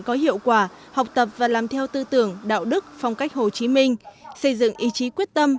có hiệu quả học tập và làm theo tư tưởng đạo đức phong cách hồ chí minh xây dựng ý chí quyết tâm